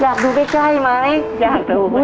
อยากดูไปใกล้ไหมอยากดู